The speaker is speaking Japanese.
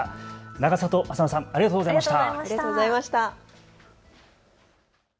永里さん、ありがとうございました。